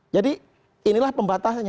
jadi inilah pembatasannya